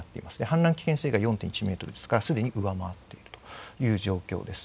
氾濫危険水位が４．１メートルですから、すでに上回っているという状況です。